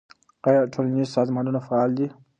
آیا ټولنیز سازمانونه فعال دي؟